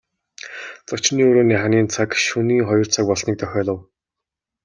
Зочны өрөөний ханын цаг шөнийн хоёр цаг болсныг дохиолов.